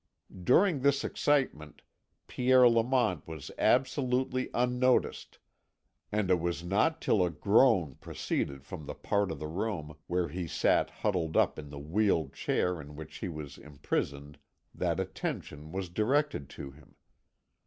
During this excitement Pierre Lamont was absolutely unnoticed, and it was not till a groan proceeded from the part of the room where he sat huddled up in the wheeled chair in which he was imprisoned that attention was directed to him.